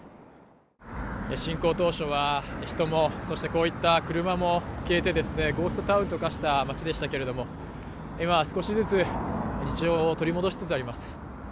侵攻当初は人も、そしてこういった車も消えてゴーストタウンと化した街でしたけれども、今は少しずつ日常を取り戻しつつあります。